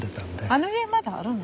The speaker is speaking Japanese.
あの家まだあるの？